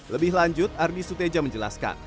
lebih lanjut ardi suteja menjelaskan